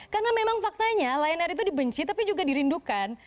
karena memang faktanya line air itu dibenci tapi juga dirindukan